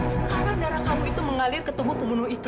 sekarang darah kamu itu mengalir ke tubuh pembunuh itu